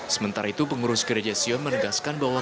sementara itu pengurus gereja sio menegaskan bahwa